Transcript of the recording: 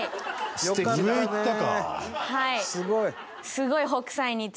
すごい！